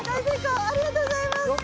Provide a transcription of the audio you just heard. ありがとうございます！